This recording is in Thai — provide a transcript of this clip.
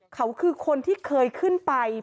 เขาคือคนที่เคยขึ้นไป